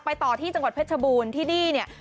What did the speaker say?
ต่อที่จังหวัดเพชรบูรณ์ที่นี่เนี่ย